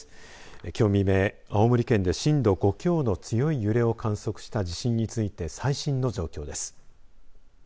きょう未明、青森県で震度５強の強い揺れを観測した地震について、最新の状況です。